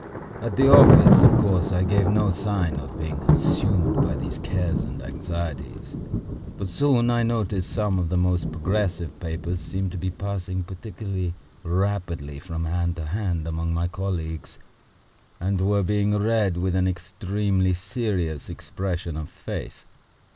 At the office, of course, I gave no sign of being consumed by these cares and anxieties. But soon I noticed some of the most progressive papers seemed to be passing particularly rapidly from hand to hand among my colleagues, and were being read with an extremely serious expression of face.